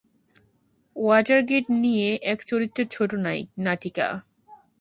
Watergate নিয়ে এক চরিত্রের ছোট নাটিকা।